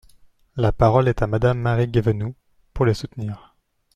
La parole est à Madame Marie Guévenoux, pour les soutenir.